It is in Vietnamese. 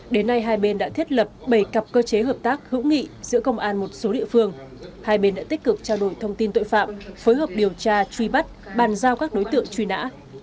đến nay hai bên đã thiết lập bảy cặp cơ chế hợp tác hữu nghị giữa công an một số địa phương hai bên đã tích cực trao đổi thông tin tội phạm phối hợp điều tra truy bắt bàn giao các đối tượng truy nã